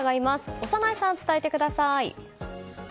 小山内さん、伝えてください。